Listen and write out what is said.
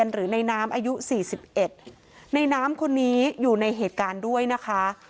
หรือในน้ำอายุสี่สิบเอ็ดในน้ำคนนี้อยู่ในเหตุการณ์ด้วยนะคะ